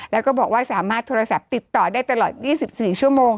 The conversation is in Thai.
แล้วก็บอกว่าสามารถโทรศัพท์ติดต่อได้ตลอด๒๔ชั่วโมง